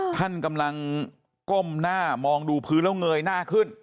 ท่านกำลังก้มหน้ามองดูพื้นแล้วเงยหน้าขึ้น